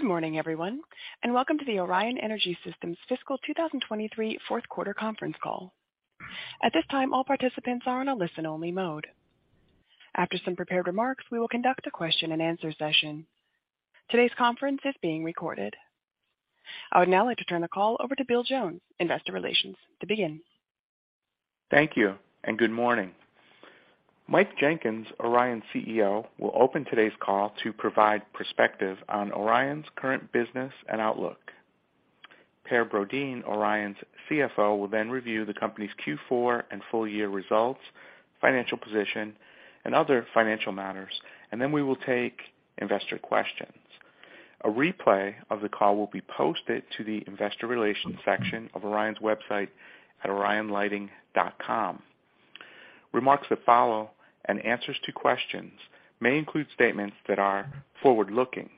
Good morning, everyone, welcome to the Orion Energy Systems Fiscal 2023 fourth quarter conference call. At this time, all participants are on a listen-only mode. After some prepared remarks, we will conduct a question-and-answer session. Today's conference is being recorded. I would now like to turn the call over to Bill Jones, Investor Relations, to begin. Thank you and good morning. Mike Jenkins, Orion's Chief Executive Officer, will open today's call to provide perspective on Orion's current business and outlook. Per Brodin, Orion's Chief Financial Officer, will then review the company's Q4 and full year results, financial position and other financial matters, and then we will take investor questions. A replay of the call will be posted to the investor relations section of Orion's website at orionlighting.com. Remarks that follow and answers to questions may include statements that are forward-looking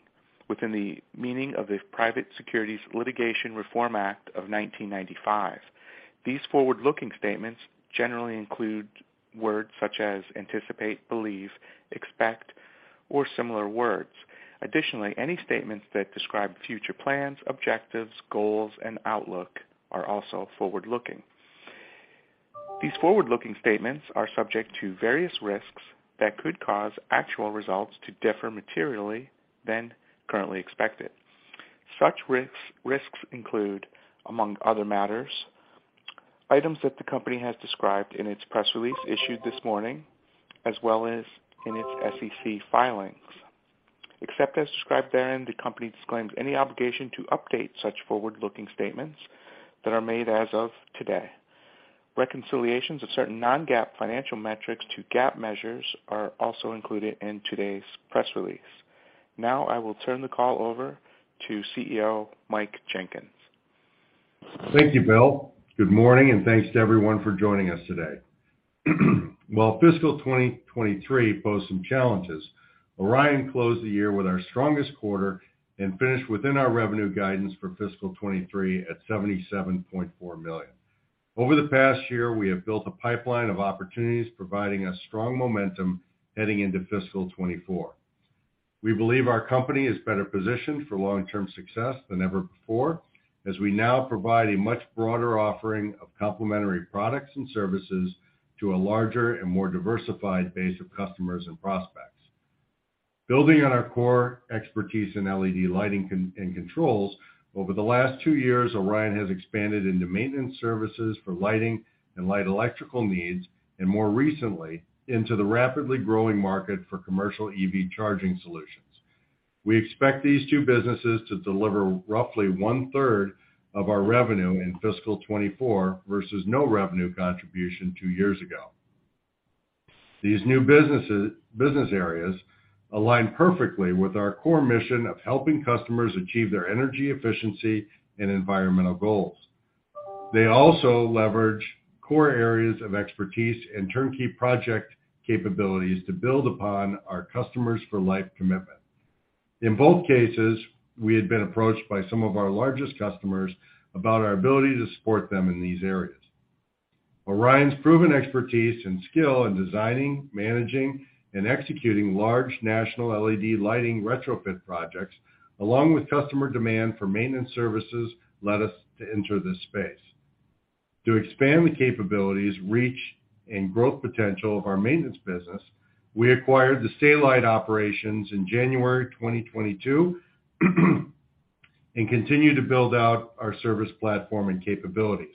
within the meaning of the Private Securities Litigation Reform Act of 1995. These forward-looking statements generally include words such as anticipate, believe, expect, or similar words. Additionally, any statements that describe future plans, objectives, goals, and outlook are also forward-looking. These forward-looking statements are subject to various risks that could cause actual results to differ materially than currently expected. Such risks include, among other matters, items that the company has described in its press release issued this morning, as well as in its SEC filings. Except as described therein, the company disclaims any obligation to update such forward-looking statements that are made as of today. Reconciliations of certain non-GAAP financial metrics to GAAP measures are also included in today's press release. Now, I will turn the call over to Chief Executive Officer, Mike Jenkins. Thank you, Bill. Good morning, thanks to everyone for joining us today. While fiscal 2023 posed some challenges, Orion closed the year with our strongest quarter and finished within our revenue guidance for fiscal 2023 at $77.4 million. Over the past year, we have built a pipeline of opportunities, providing us strong momentum heading into fiscal 2024. We believe our company is better positioned for long-term success than ever before, as we now provide a much broader offering of complementary products and services to a larger and more diversified base of customers and prospects. Building on our core expertise in LED lighting and controls, over the last two years, Orion has expanded into maintenance services for lighting and light electrical needs, and more recently, into the rapidly growing market for commercial EV charging solutions. We expect these two businesses to deliver roughly 1/3 of our revenue in fiscal 2024 versus no revenue contribution two years ago. These new business areas align perfectly with our core mission of helping customers achieve their energy efficiency and environmental goals. They also leverage core areas of expertise and turnkey project capabilities to build upon our customers for life commitment. In both cases, we had been approached by some of our largest customers about our ability to support them in these areas. Orion's proven expertise and skill in designing, managing, and executing large national LED lighting retrofit projects, along with customer demand for maintenance services, led us to enter this space. To expand the capabilities, reach, and growth potential of our maintenance business, we acquired the Stay-Lite operations in January 2022, and continue to build out our service platform and capabilities.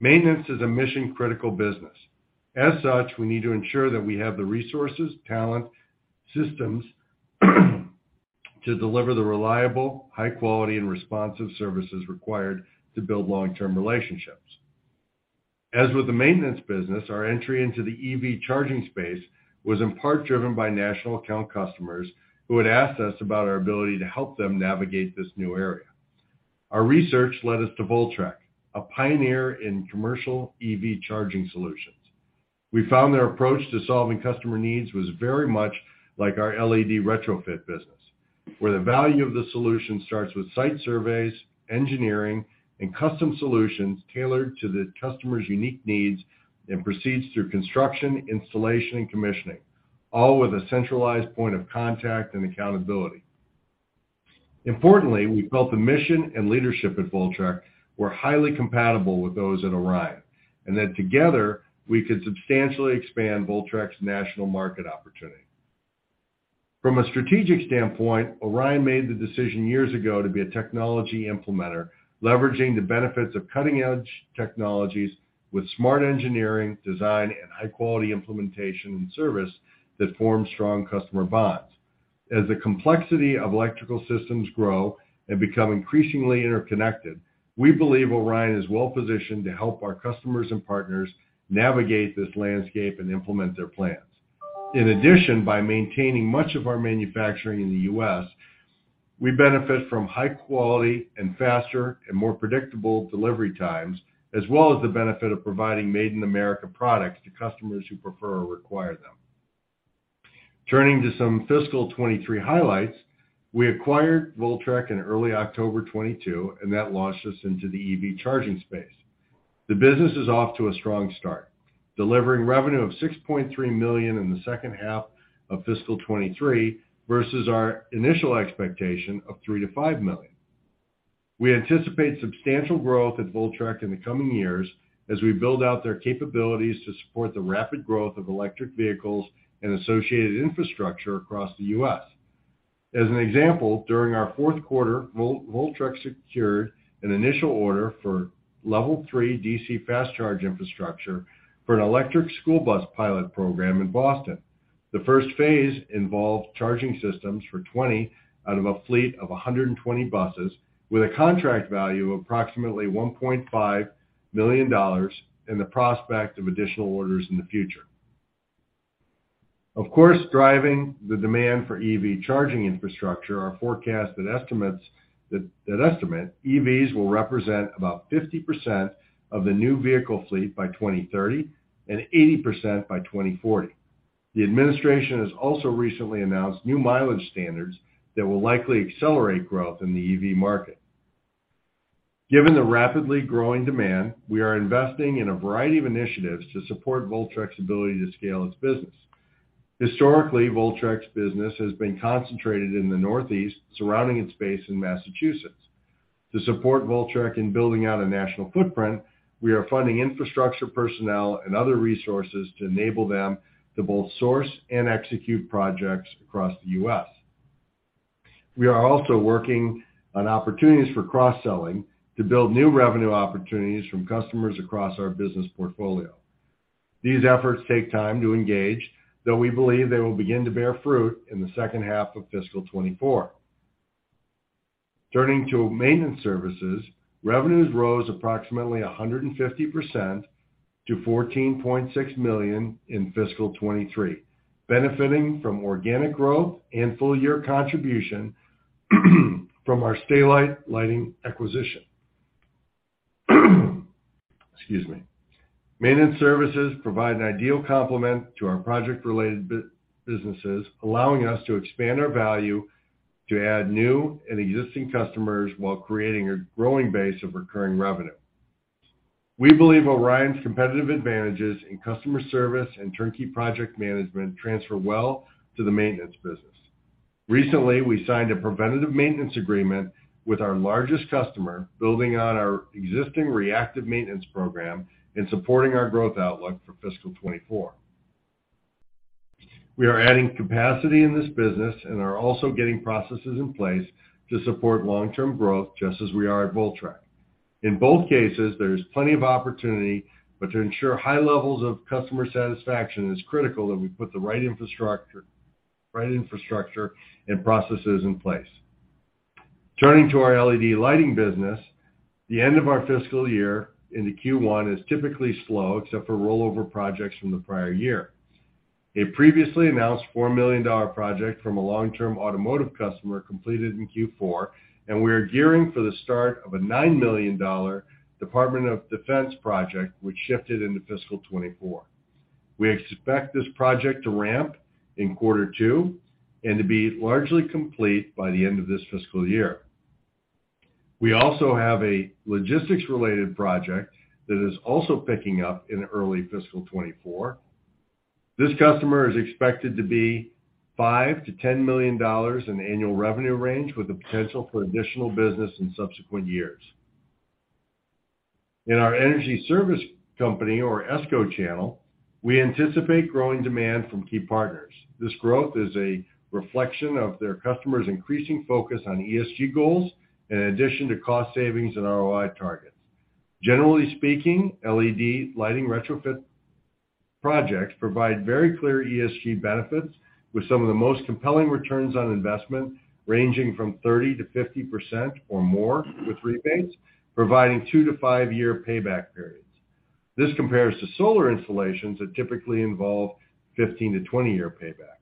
Maintenance is a mission-critical business. As such, we need to ensure that we have the resources, talent, systems, to deliver the reliable, high-quality and responsive services required to build long-term relationships. As with the maintenance business, our entry into the EV charging space was in part driven by national account customers who had asked us about our ability to help them navigate this new area. Our research led us to Voltrek, a pioneer in commercial EV charging solutions. We found their approach to solving customer needs was very much like our LED retrofit business, where the value of the solution starts with site surveys, engineering, and custom solutions tailored to the customer's unique needs and proceeds through construction, installation, and commissioning, all with a centralized point of contact and accountability. Importantly, we felt the mission and leadership at Voltrek were highly compatible with those at Orion, and that together, we could substantially expand Voltrek's national market opportunity. From a strategic standpoint, Orion made the decision years ago to be a technology implementer, leveraging the benefits of cutting-edge technologies with smart engineering, design, and high-quality implementation and service that forms strong customer bonds. As the complexity of electrical systems grow and become increasingly interconnected, we believe Orion is well-positioned to help our customers and partners navigate this landscape and implement their plans. In addition, by maintaining much of our manufacturing in the U.S., we benefit from high quality and faster and more predictable delivery times, as well as the benefit of providing Made in America products to customers who prefer or require them. Turning to some fiscal 2023 highlights, we acquired Voltrek in early October 2022, and that launched us into the EV charging space. The business is off to a strong start, delivering revenue of $6.3 million in the second half of fiscal 2023, versus our initial expectation of $3 million-$5 million. We anticipate substantial growth at Voltrek in the coming years as we build out their capabilities to support the rapid growth of electric vehicles and associated infrastructure across the U.S. As an example, during our fourth quarter, Voltrek secured an initial order for Level 3 DC fast charging infrastructure for an electric school bus pilot program in Boston. The first phase involved charging systems for 20 out of a fleet of 120 buses, with a contract value of approximately $1.5 million and the prospect of additional orders in the future. Driving the demand for EV charging infrastructure are forecasts that estimate EVs will represent about 50% of the new vehicle fleet by 2030, and 80% by 2040. The administration has also recently announced new mileage standards that will likely accelerate growth in the EV market. Given the rapidly growing demand, we are investing in a variety of initiatives to support Voltrek's ability to scale its business. Historically, Voltrek's business has been concentrated in the Northeast, surrounding its base in Massachusetts. To support Voltrek in building out a national footprint, we are funding infrastructure, personnel, and other resources to enable them to both source and execute projects across the U.S. We are also working on opportunities for cross-selling to build new revenue opportunities from customers across our business portfolio. These efforts take time to engage, though we believe they will begin to bear fruit in the second half of fiscal 2024. Turning to maintenance services, revenues rose approximately 150% to $14.6 million in fiscal 2023, benefiting from organic growth and full year contribution, from our Stay-Lite Lighting acquisition. Excuse me. Maintenance services provide an ideal complement to our project-related businesses, allowing us to expand our value to add new and existing customers while creating a growing base of recurring revenue. We believe Orion's competitive advantages in customer service and turnkey project management transfer well to the maintenance business. Recently, we signed a preventative maintenance agreement with our largest customer, building on our existing reactive maintenance program and supporting our growth outlook for fiscal 2024. We are adding capacity in this business and are also getting processes in place to support long-term growth, just as we are at Voltrek. In both cases, there is plenty of opportunity, but to ensure high levels of customer satisfaction, it's critical that we put the right infrastructure and processes in place. Turning to our LED lighting business, the end of our fiscal year into Q1 is typically slow, except for rollover projects from the prior year. A previously announced $4 million project from a long-term automotive customer completed in Q4, and we are gearing for the start of a $9 million Department of Defense project, which shifted into fiscal 2024. We expect this project to ramp in quarter two and to be largely complete by the end of this fiscal year. We also have a logistics-related project that is also picking up in early fiscal 2024. This customer is expected to be $5 million-$10 million in annual revenue range, with the potential for additional business in subsequent years. In our energy service company or ESCO channel, we anticipate growing demand from key partners. This growth is a reflection of their customers' increasing focus on ESG goals, in addition to cost savings and ROI targets. Generally speaking, LED lighting retrofit projects provide very clear ESG benefits, with some of the most compelling returns on investment ranging from 30%-50% or more with rebates, providing two to five-year payback periods. This compares to solar installations that typically involve 15-20-year paybacks. On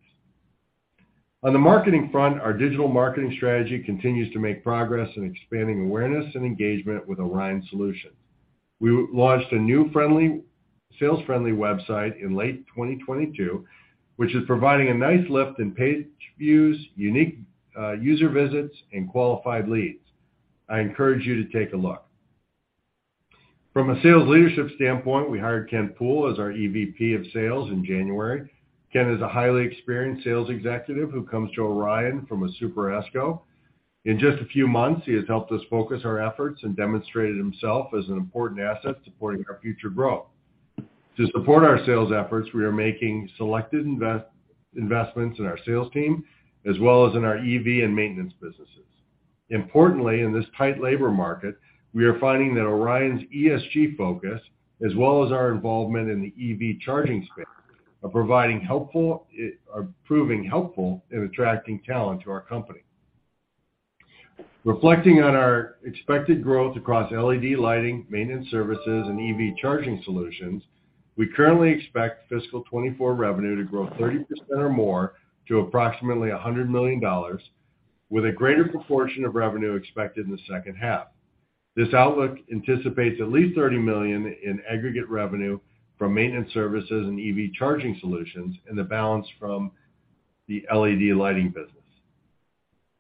the marketing front, our digital marketing strategy continues to make progress in expanding awareness and engagement with Orion Solutions. We launched a new friendly... sales-friendly website in late 2022, which is providing a nice lift in page views, unique user visits, and qualified leads. I encourage you to take a look. From a sales leadership standpoint, we hired Ken Poole as our EVP of sales in January. Ken is a highly experienced sales executive who comes to Orion from a Super ESCO. In just a few months, he has helped us focus our efforts and demonstrated himself as an important asset supporting our future growth. To support our sales efforts, we are making selected investments in our sales team, as well as in our EV and maintenance businesses. Importantly, in this tight labor market, we are finding that Orion's ESG focus, as well as our involvement in the EV charging space, are proving helpful in attracting talent to our company. Reflecting on our expected growth across LED lighting, maintenance services, and EV charging solutions, we currently expect fiscal 2024 revenue to grow 30% or more to approximately $100 million, with a greater proportion of revenue expected in the second half. This outlook anticipates at least $30 million in aggregate revenue from maintenance services and EV charging solutions, and the balance from the LED lighting business.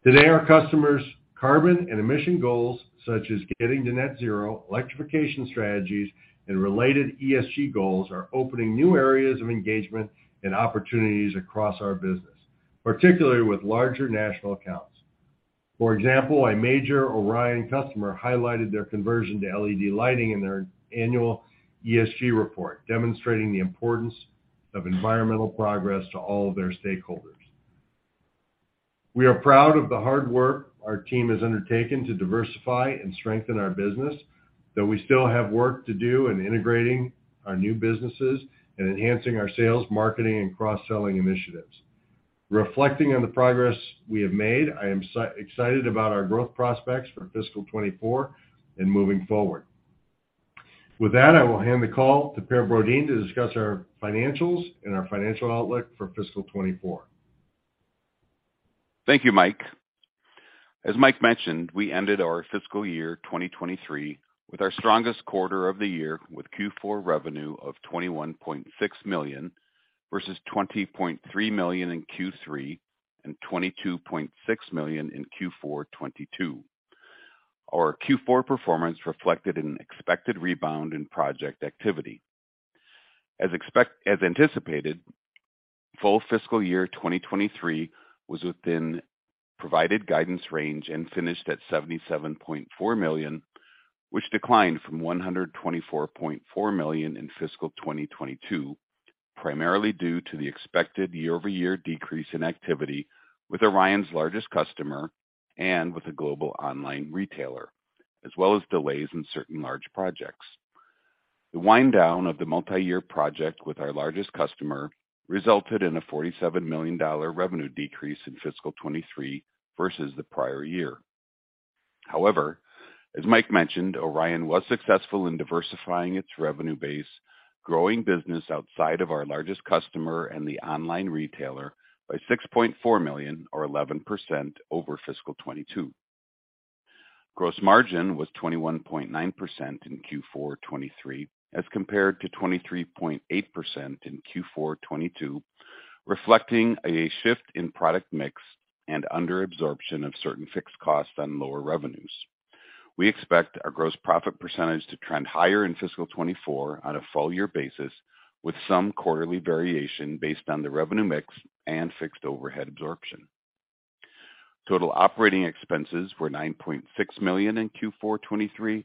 Today, our customers' carbon and emission goals, such as getting to net zero, electrification strategies, and related ESG goals, are opening new areas of engagement and opportunities across our business, particularly with larger national accounts. For example, a major Orion customer highlighted their conversion to LED lighting in their annual ESG report, demonstrating the importance of environmental progress to all of their stakeholders. We are proud of the hard work our team has undertaken to diversify and strengthen our business, though we still have work to do in integrating our new businesses and enhancing our sales, marketing, and cross-selling initiatives. Reflecting on the progress we have made, I am excited about our growth prospects for fiscal 2024 and moving forward. With that, I will hand the call to Per Brodin to discuss our financials and our financial outlook for fiscal 2024. Thank you, Mike. As Mike mentioned, we ended our fiscal year 2023 with our strongest quarter of the year, with Q4 revenue of $21.6 million, versus $20.3 million in Q3 and $22.6 million in Q4 2022. Our Q4 performance reflected an expected rebound in project activity. As anticipated, full fiscal year 2023 was within provided guidance range and finished at $77.4 million, which declined from $124.4 million in fiscal 2022, primarily due to the expected year-over-year decrease in activity with Orion's largest customer and with a global online retailer, as well as delays in certain large projects. The wind down of the multi-year project with our largest customer resulted in a $47 million revenue decrease in fiscal 2023 versus the prior year. As Mike mentioned, Orion was successful in diversifying its revenue base, growing business outside of our largest customer and the online retailer by $6.4 million or 11% over fiscal 2022. Gross margin was 21.9% in Q4 2023, as compared to 23.8% in Q4 2022, reflecting a shift in product mix and under absorption of certain fixed costs on lower revenues. We expect our gross profit percentage to trend higher in fiscal 2024 on a full year basis, with some quarterly variation based on the revenue mix and fixed overhead absorption. Total operating expenses were $9.6 million in Q4 2023,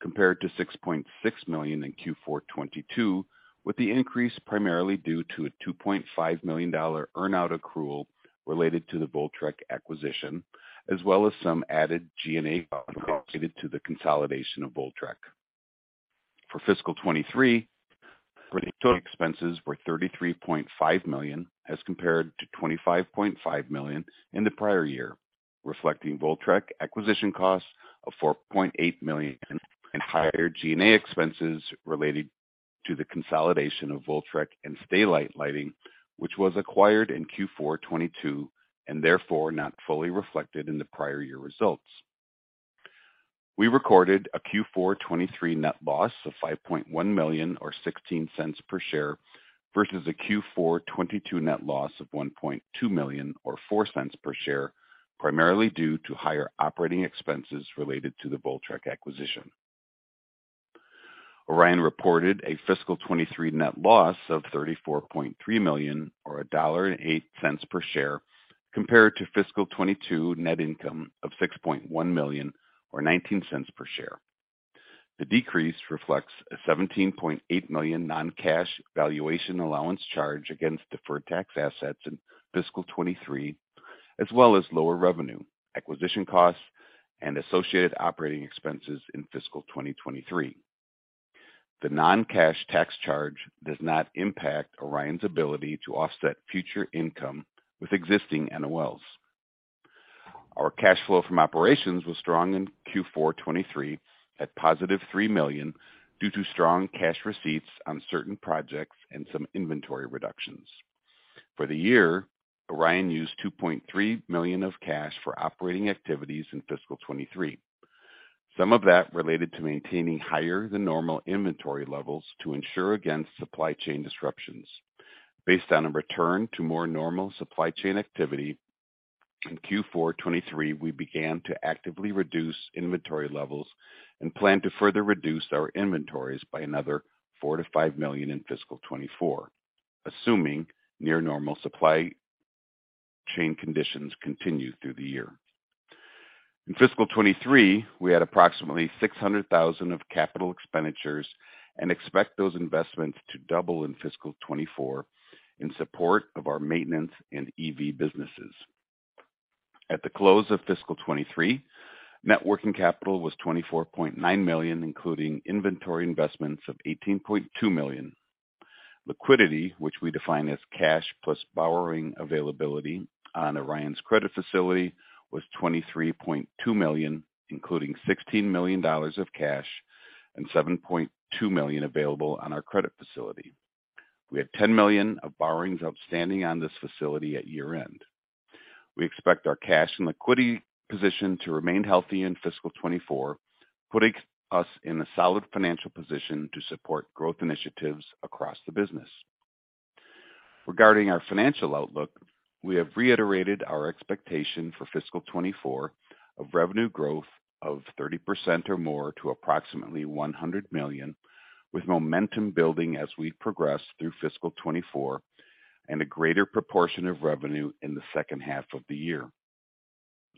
compared to $6.6 million in Q4 2022, with the increase primarily due to a $2.5 million earn-out accrual related to the Voltrek acquisition, as well as some added G&A costs related to the consolidation of Voltrek. For fiscal 2023, total expenses were $33.5 million, as compared to $25.5 million in the prior year, reflecting Voltrek acquisition costs of $4.8 million and higher G&A expenses related to the consolidation of Voltrek and Stay-Lite Lighting, which was acquired in Q4 2022 and therefore not fully reflected in the prior year results. We recorded a Q4 2023 net loss of $5.1 million, or $0.16 per share, versus a Q4 2022 net loss of $1.2 million, or $0.04 per share, primarily due to higher operating expenses related to the Voltrek acquisition. Orion reported a fiscal 2023 net loss of $34.3 million, or $1.08 per share, compared to fiscal 2022 net income of $6.1 million, or $0.19 per share. The decrease reflects a $17.8 million non-cash valuation allowance charge against deferred tax assets in fiscal 2023, as well as lower revenue, acquisition costs, and associated operating expenses in fiscal 2023. The non-cash tax charge does not impact Orion's ability to offset future income with existing NOLs. Our cash flow from operations was strong in Q4 2023 at positive $3 million due to strong cash receipts on certain projects and some inventory reductions. For the year, Orion used $2.3 million of cash for operating activities in fiscal 2023. Some of that related to maintaining higher than normal inventory levels to ensure against supply chain disruptions. Based on a return to more normal supply chain activity, in Q4 2023, we began to actively reduce inventory levels and plan to further reduce our inventories by another $4 million-$5 million in fiscal 2024, assuming near normal supply chain conditions continue through the year. In fiscal 2023, we had approximately $600,000 of capital expenditures and expect those investments to double in fiscal 2024 in support of our maintenance and EV businesses. At the close of fiscal 23, net working capital was $24.9 million, including inventory investments of $18.2 million. Liquidity, which we define as cash plus borrowing availability on Orion's credit facility, was $23.2 million, including $16 million of cash and $7.2 million available on our credit facility. We had $10 million of borrowings outstanding on this facility at year-end. We expect our cash and liquidity position to remain healthy in fiscal 24, putting us in a solid financial position to support growth initiatives across the business. Regarding our financial outlook, we have reiterated our expectation for fiscal 2024 of revenue growth of 30% or more to approximately $100 million, with momentum building as we progress through fiscal 2024, and a greater proportion of revenue in the second half of the year.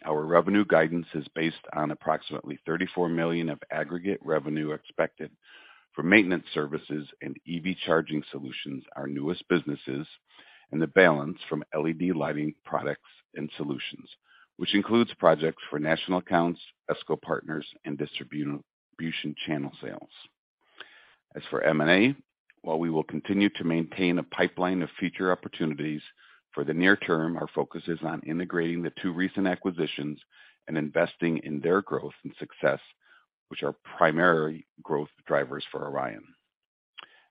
Our revenue guidance is based on approximately $34 million of aggregate revenue expected for maintenance services and EV charging solutions, our newest businesses, and the balance from LED lighting products and solutions, which includes projects for national accounts, ESCO partners, and distribution channel sales. M&A, while we will continue to maintain a pipeline of future opportunities, for the near term, our focus is on integrating the two recent acquisitions and investing in their growth and success, which are primary growth drivers for Orion.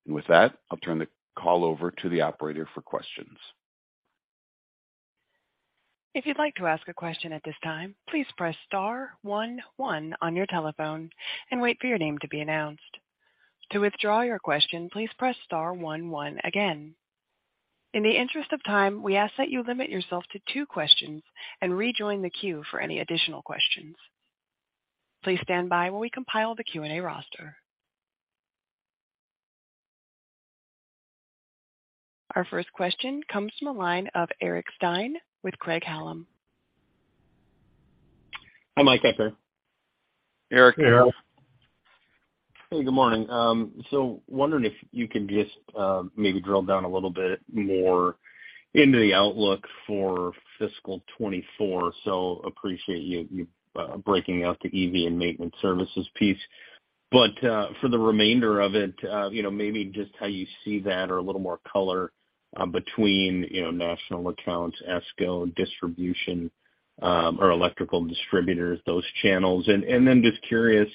With that, I'll turn the call over to the operator for questions. If you'd like to ask a question at this time, please press star one one on your telephone and wait for your name to be announced. To withdraw your question, please press star one one again. In the interest of time, we ask that you limit yourself to two questions and rejoin the queue for any additional questions. Please stand by while we compile the Q&A roster. Our first question comes from the line of Eric Stine with Craig-Hallum. Hi, Mike, Per. Eric, hey. Hey, good morning. Wondering if you can just maybe drill down a little bit more into the outlook for fiscal 2024. Appreciate you breaking out the EV and maintenance services piece. For the remainder of it, you know, maybe just how you see that or a little more color between, you know, national accounts, ESCO, distribution, or electrical distributors, those channels. Just curious,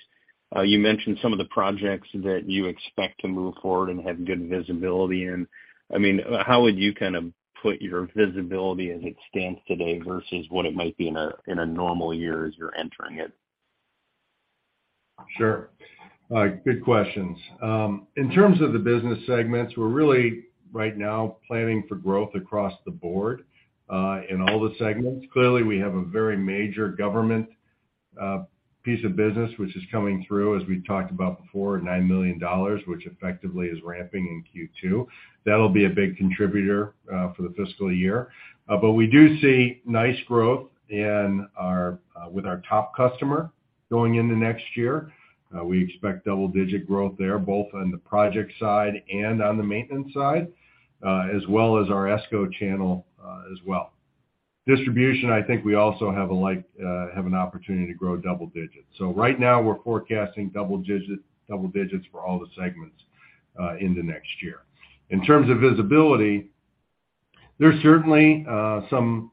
you mentioned some of the projects that you expect to move forward and have good visibility in. I mean, how would you kinda put your visibility as it stands today versus what it might be in a normal year as you're entering it? Sure. Good questions. In terms of the business segments, we're really right now planning for growth across the board in all the segments. Clearly, we have a very major government piece of business, which is coming through, as we talked about before, $9 million, which effectively is ramping in Q2. That'll be a big contributor for the fiscal year. We do see nice growth in our with our top customer going into next year. We expect double-digit growth there, both on the project side and on the maintenance side, as well as our ESCO channel as well. Distribution, I think we also have an opportunity to grow double digits. Right now we're forecasting double digits for all the segments in the next year. In terms of visibility, there's certainly some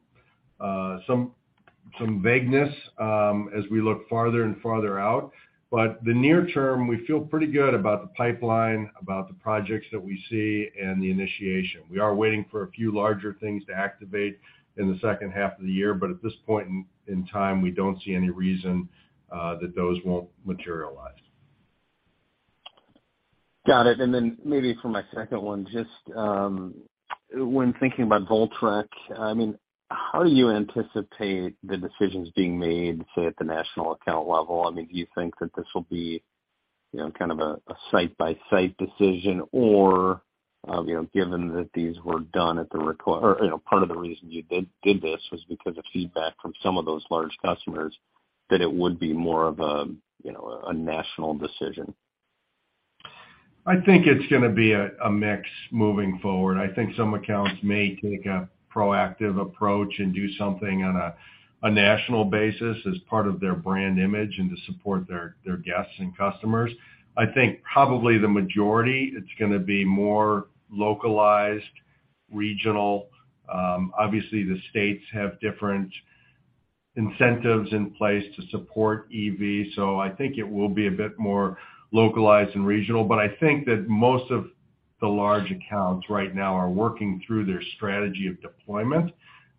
vagueness as we look farther and farther out, but the near term, we feel pretty good about the pipeline, about the projects that we see and the initiation. We are waiting for a few larger things to activate in the second half of the year, but at this point in time, we don't see any reason that those won't materialize. Got it. Maybe for my second one, just, when thinking about Voltrek, I mean, how do you anticipate the decisions being made, say, at the national account level? I mean, do you think that this will be, you know, kind of a site-by-site decision, or, you know, given that these were done or, you know, part of the reason you did this was because of feedback from some of those large customers, that it would be more of a, you know, a national decision? I think it's gonna be a mix moving forward. I think some accounts may take a proactive approach and do something on a national basis as part of their brand image and to support their guests and customers. I think probably the majority, it's gonna be more localized, regional. Obviously, the states have different incentives in place to support EV, so I think it will be a bit more localized and regional. I think that most of the large accounts right now are working through their strategy of deployment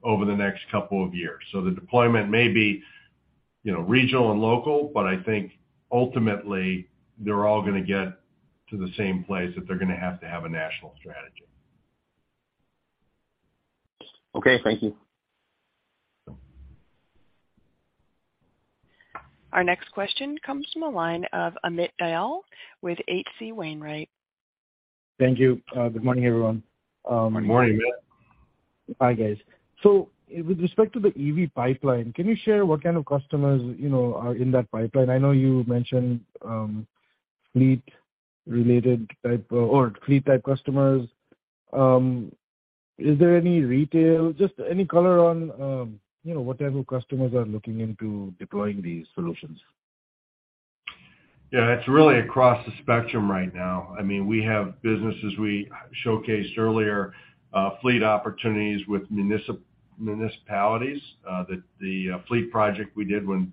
over the next couple of years. The deployment may be, you know, regional and local, but I think ultimately, they're all gonna get to the same place, that they're gonna have to have a national strategy. Okay, thank you. Sure. Our next question comes from the line of Amit Dayal with H.C. Wainwright. Thank you. Good morning, everyone. Good morning, Amit. Hi, guys. With respect to the EV pipeline, can you share what kind of customers, you know, are in that pipeline? I know you mentioned fleet-related type or fleet type customers. Is there any retail, just any color on, you know, what type of customers are looking into deploying these solutions? Yeah, it's really across the spectrum right now. I mean, we have businesses we showcased earlier, fleet opportunities with municipalities, that the fleet project we did in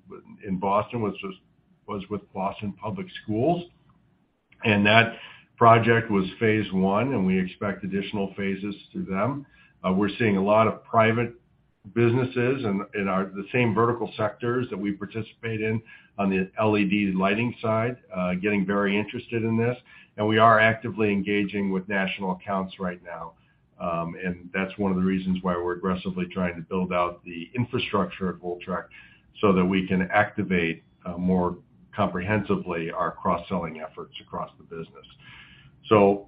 Boston was with Boston Public Schools. That project was phase one, and we expect additional phases through them. We're seeing a lot of private businesses in our the same vertical sectors that we participate in on the LED lighting side, getting very interested in this, and we are actively engaging with national accounts right now. That's one of the reasons why we're aggressively trying to build out the infrastructure at Voltrek, so that we can activate more comprehensively our cross-selling efforts across the business.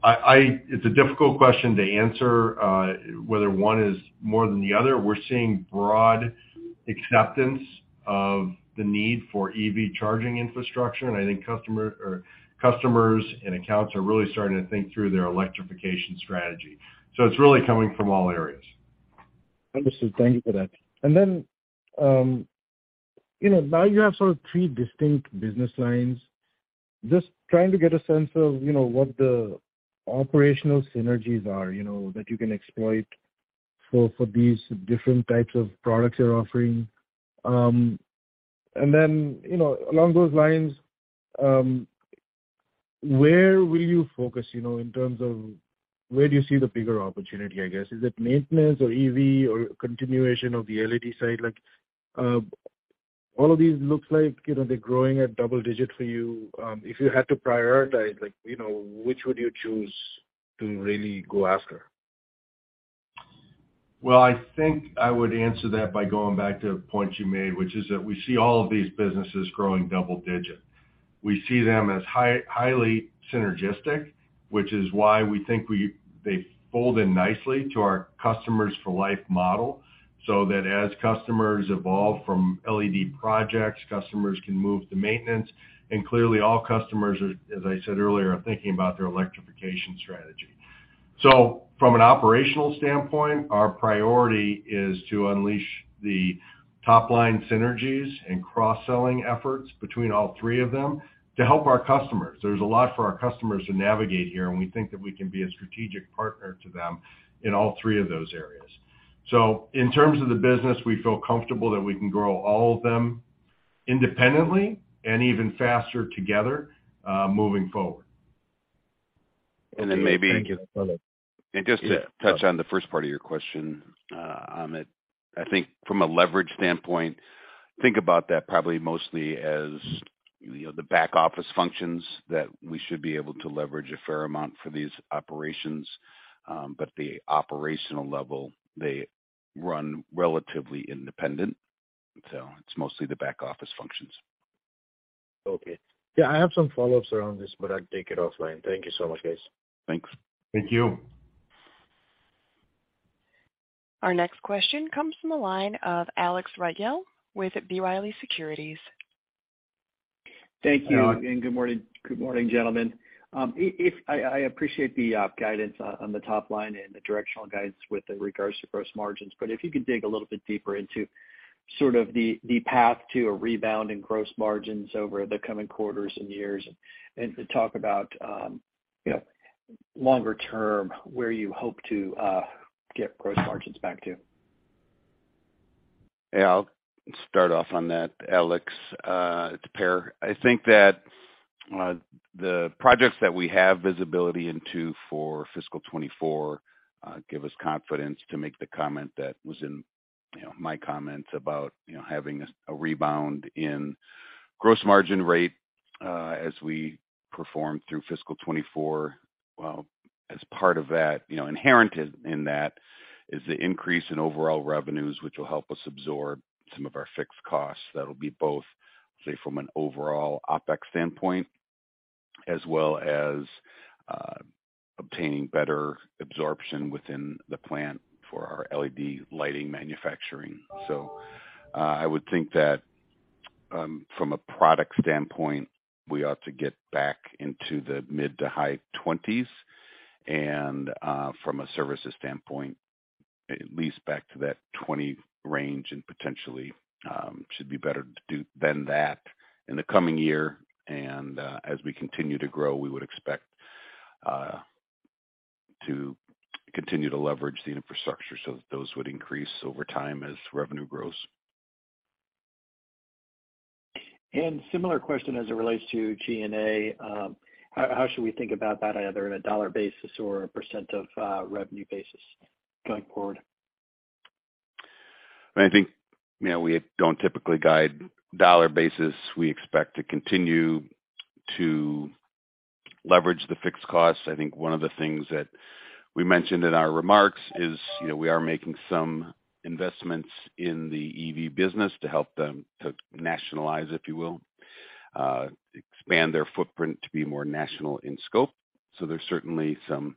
I it's a difficult question to answer, whether one is more than the other. We're seeing broad acceptance of the need for EV charging infrastructure. I think customer or customers and accounts are really starting to think through their electrification strategy. It's really coming from all areas. Understood. Thank you for that. Then, you know, now you have sort of three distinct business lines. Just trying to get a sense of, you know, what the operational synergies are, you know, that you can exploit for these different types of products you're offering. Then, you know, along those lines, where will you focus, you know, in terms of where do you see the bigger opportunity, I guess? Is it maintenance or EV or continuation of the LED side? Like, all of these looks like, you know, they're growing at double digit for you. If you had to prioritize, like, you know, which would you choose to really go after? Well, I think I would answer that by going back to a point you made, which is that we see all of these businesses growing double digit. We see them as highly synergistic, which is why we think they fold in nicely to our customers for life model, so that as customers evolve from LED projects, customers can move to maintenance, and clearly, all customers, as I said earlier, are thinking about their electrification strategy. From an operational standpoint, our priority is to unleash the top line synergies and cross-selling efforts between all three of them to help our customers. There's a lot for our customers to navigate here, and we think that we can be a strategic partner to them in all three of those areas. In terms of the business, we feel comfortable that we can grow all of them independently and even faster together, moving forward. And then maybe- Just to touch on the first part of your question, Amit, I think from a leverage standpoint, think about that probably mostly as, you know, the back office functions that we should be able to leverage a fair amount for these operations. The operational level, they run relatively independent, so it's mostly the back office functions. Okay. Yeah, I have some follow-ups around this, but I'll take it offline. Thank you so much, guys. Thanks. Thank you. Our next question comes from the line of Alex Riegel with B. Riley Securities. Thank you. Good morning, gentlemen. If I appreciate the guidance on the top line and the directional guidance with regards to gross margins, but if you could dig a little bit deeper into sort of the path to a rebound in gross margins over the coming quarters and years, and to talk about, you know, longer term, where you hope to get gross margins back to? I'll start off on that, Alex, it's Per. I think that the projects that we have visibility into for fiscal 2024 give us confidence to make the comment that was in, you know, my comments about, you know, having a rebound in gross margin rate as we perform through fiscal 2024. Well, as part of that, you know, inherent in that is the increase in overall revenues, which will help us absorb some of our fixed costs. That'll be both, say, from an overall OpEx standpoint, as well as obtaining better absorption within the plant for our LED lighting manufacturing. I would think that from a product standpoint, we ought to get back into the mid-to-high 20s, and from a services standpoint, at least back to that 20 range, and potentially should be better than that in the coming year. As we continue to grow, we would expect to continue to leverage the infrastructure so those would increase over time as revenue grows. Similar question as it relates to G&A. How should we think about that, either in a $ basis or a % of revenue basis going forward? I think, you know, we don't typically guide dollar basis. We expect to continue to leverage the fixed costs. I think one of the things that we mentioned in our remarks is, you know, we are making some investments in the EV business to help them to nationalize, if you will, expand their footprint to be more national in scope. There's certainly some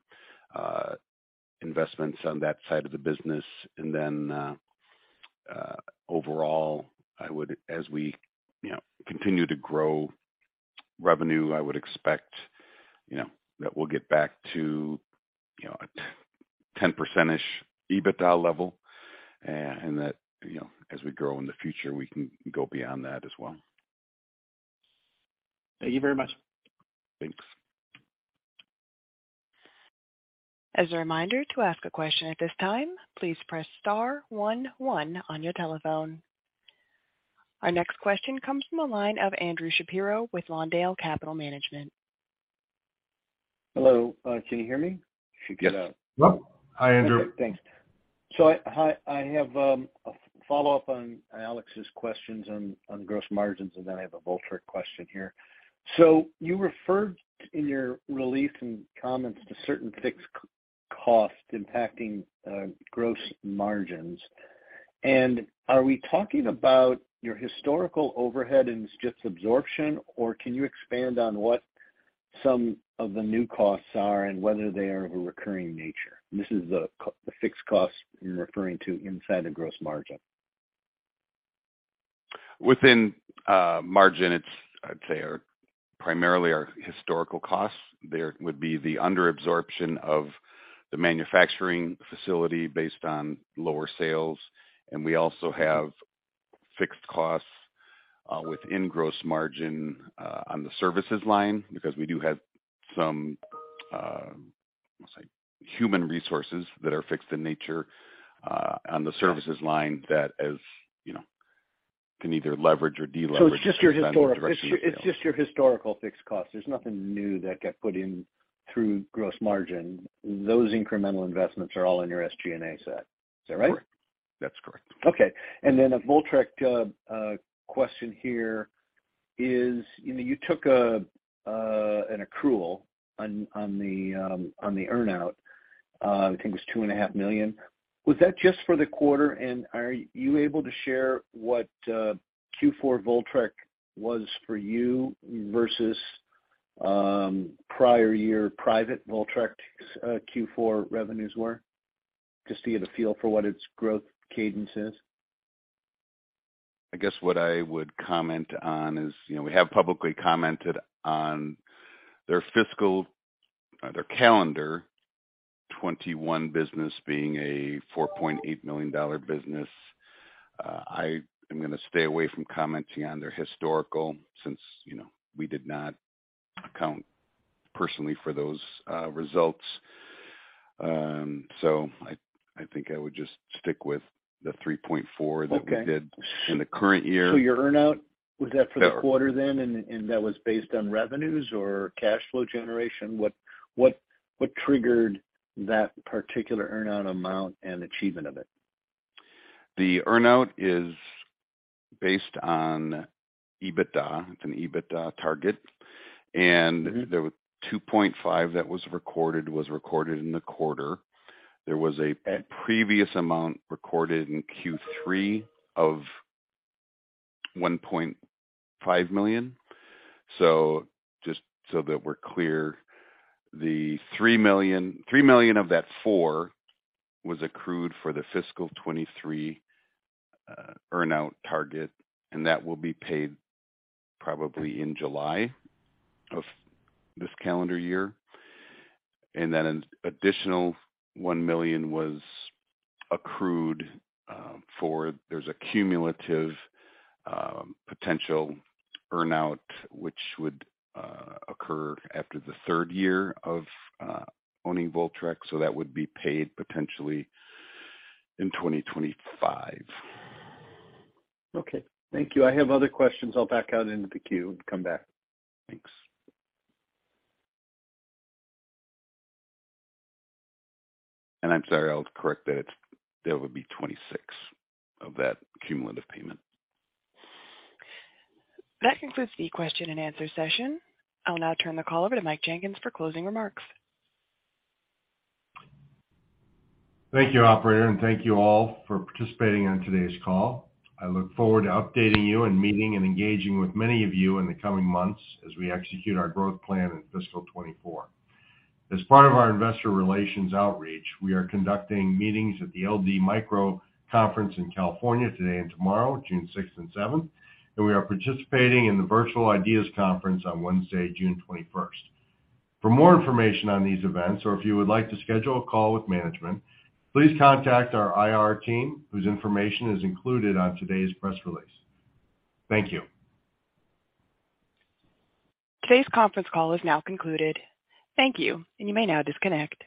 investments on that side of the business. Overall, I would expect, you know, that we'll get back to, you know, a 10%-ish EBITDA level, and that, you know, as we grow in the future, we can go beyond that as well. Thank you very much. Thanks. As a reminder, to ask a question at this time, please press star one on your telephone. Our next question comes from the line of Andrew Shapiro with Lawndale Capital Management. Hello, can you hear me? Yes. Well, hi, Andrew. Okay, thanks. I have a follow-up on Alex's questions on gross margins, and then I have a Voltrek question here. You referred in your release and comments to certain fixed cost impacting gross margins. Are we talking about your historical overhead and it's just absorption, or can you expand on what some of the new costs are and whether they are of a recurring nature? This is the fixed costs you're referring to inside the gross margin. Within, margin, I'd say, are primarily our historical costs. There would be the under absorption of the manufacturing facility based on lower sales. We also have fixed costs, within gross margin, on the services line, because we do have some, let's say, human resources that are fixed in nature, on the services line that as, you know, can either leverage or deleverage. It's just your historical fixed costs. There's nothing new that got put in through gross margin. Those incremental investments are all in your SG&A set. Is that right? That's correct. Okay. A Voltrek question here is: you know, you took an accrual on the earn out, I think it was two and a half million. Was that just for the quarter? Are you able to share what Q4 Voltrek was for you versus prior year private Voltrek's Q4 revenues were? Just to get a feel for what its growth cadence is. I guess what I would comment on is, you know, we have publicly commented on their fiscal, their calendar 21 business being a $4.8 million business. I am gonna stay away from commenting on their historical since, you know, we did not account personally for those results. I think I would just stick with the 3.4 Okay. That we did in the current year. Your earn out, was that for the quarter then? Yeah. That was based on revenues or cash flow generation? What triggered that particular earn out amount and achievement of it? The earn out is based on EBITDA. It's an EBITDA target. There was two point five that was recorded in the quarter. There was a previous amount recorded in Q3 of $1.5 million. Just so that we're clear, the $3 million of that $4 was accrued for the fiscal 2023 earn out target, and that will be paid probably in July of this calendar year. Then an additional $1 million was accrued for there's a cumulative potential earn out, which would occur after the third year of owning Voltrek, so that would be paid potentially in 2025. Okay, thank you. I have other questions. I'll back out into the queue and come back. Thanks. I'm sorry, I'll correct that. That would be 26 of that cumulative payment. That concludes the question and answer session. I'll now turn the call over to Mike Jenkins for closing remarks. Thank you, operator, and thank you all for participating on today's call. I look forward to updating you and meeting and engaging with many of you in the coming months as we execute our growth plan in fiscal 2024. As part of our investor relations outreach, we are conducting meetings at the LD Micro Invitational in California today and tomorrow, June 6th and 7th, and we are participating in the Virtual Ideas Conference on Wednesday, June 21st. For more information on these events, or if you would like to schedule a call with management, please contact our IR team, whose information is included on today's press release. Thank you. Today's conference call is now concluded. Thank you, and you may now disconnect.